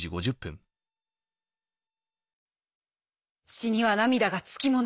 「詩には涙がつきもの」。